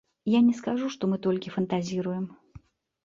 Я не скажу, што мы толькі фантазіруем.